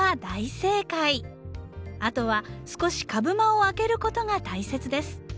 あとは少し株間を空けることが大切です。